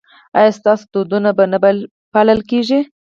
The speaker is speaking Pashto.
ایا ستاسو دودونه به نه پالل کیږي؟